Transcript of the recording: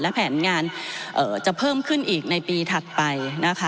และแผนงานจะเพิ่มขึ้นอีกในปีถัดไปนะคะ